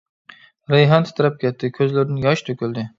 رەيھان تىترەپ كەتتى، كۆزلىرىدىن ياش تۆكۈلدى.